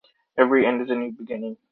Every end is a new beginning.